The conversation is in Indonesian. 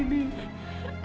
aida dituduh pak